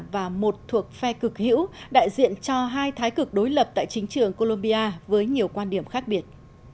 và một thuộc phe cực hữu đại diện cho hai thái cực đối lập tại chính trường colombia với nhiều quan điểm khác biệt